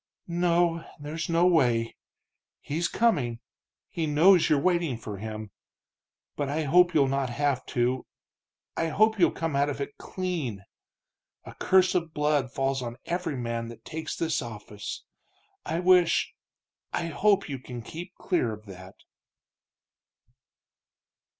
"No, there's no way. He's coming he knows you're waiting for him. But I hope you'll not have to I hope you'll come out of it clean! A curse of blood falls on every man that takes this office. I wish I hope, you can keep clear of that."